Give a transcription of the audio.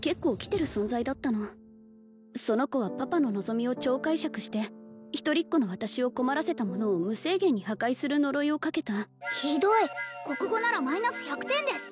テる存在だったのその子はパパの望みを超解釈して一人っ子の私を困らせたものを無制限に破壊する呪いをかけたひどい国語ならマイナス１００点です